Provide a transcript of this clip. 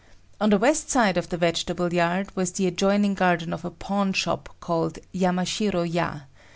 On the west side of the vegetable yard was the adjoining garden of a pawn shop called Yamashiro ya.